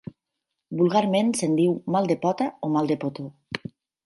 Vulgarment se'n diu mal de pota o mal de potó.